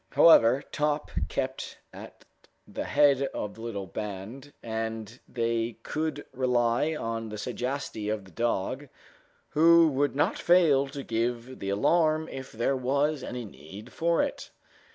However, Top kept at the head of the little band, and they could rely on the sagacity of the dog, who would not fail to give the alarm if there was any need for it.